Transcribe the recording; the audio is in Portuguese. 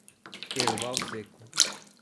Erval Seco